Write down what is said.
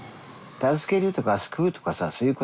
助けるとか救うとかさそういう言葉